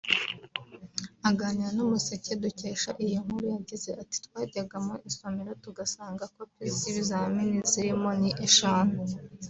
Aganira n’ Umuseke dukesha iyi nkuru yagize ati “Twajyaga mu isomero tugasanga kopi z’ibizamini zirimo ni eshanu